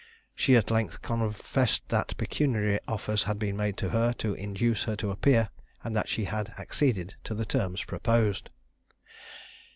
She at length confessed that pecuniary offers had been made to her to induce her to appear, and that she had acceded to the terms proposed.